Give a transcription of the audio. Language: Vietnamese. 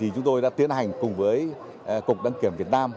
chúng tôi đã tiến hành cùng với cục đăng kiểm việt nam